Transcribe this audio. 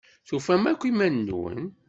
Tufam akk iman-nwen?